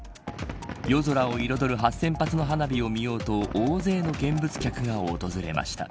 夜空を彩る８０００発の花火を見ようと大勢の見物客が訪れました。